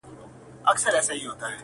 څومره چي تیاره وي څراغ ښه ډېره رڼا کوي،